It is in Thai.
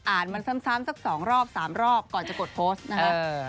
มันซ้ำสัก๒รอบ๓รอบก่อนจะกดโพสต์นะครับ